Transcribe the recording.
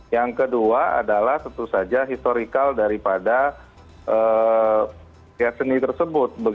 yang kedua adalah tentu saja historikal daripada seni tersebut